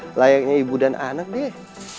layaknya ibu dan anak deh